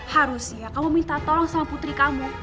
harusnya kamu minta tolong sama putri kamu